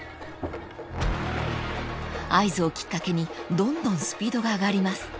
［合図をきっかけにどんどんスピードが上がります］